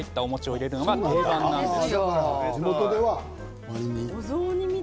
この入ったお餅を入れるのが定番なんです。